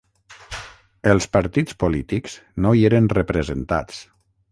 Els partits polítics no hi eren representats.